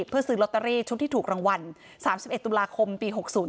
เพื่อซื้อลอตเตอรี่ชุมที่ถูกรางวัลสามสิบเอ็ดตุลาคมปีหกศูนย์